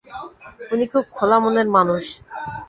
উনি খুব খোলা মনের মানুষ।